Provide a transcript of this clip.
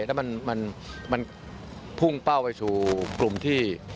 แล้วมันพุ่งเป้าไปสู่กลุ่มที่